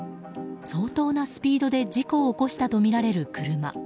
相当なスピードで事故を起こしたとみられる車。